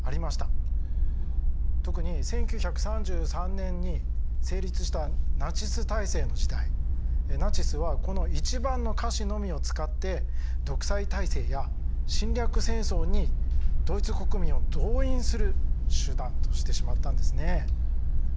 特に１９３３年に成立したナチス体制の時代ナチスはこの１番の歌詞のみを使って独裁体制や侵略戦争にドイツ国民を動員する手段としてしまったんですね。